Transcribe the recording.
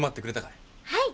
はい。